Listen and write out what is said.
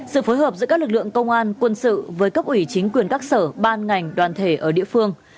sự phối hợp giữa các lực lượng công an quân sự với cấp ủy chính quyền các sở ban ngành đoàn thể ở địa phương